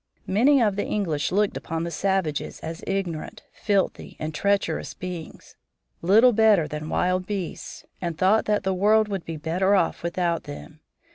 Many of the English looked upon the savages as ignorant, filthy, and treacherous beings, little better than wild beasts, and thought that the world would be better off without them.